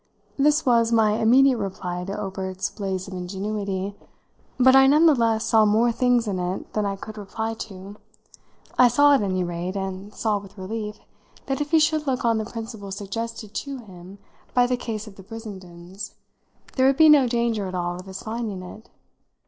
This was my immediate reply to Obert's blaze of ingenuity, but I none the less saw more things in it than I could reply to. I saw, at any rate, and saw with relief, that if he should look on the principle suggested to him by the case of the Brissendens, there would be no danger at all of his finding it.